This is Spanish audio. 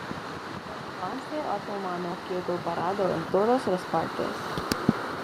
El avance otomano quedó parado en todas las partes.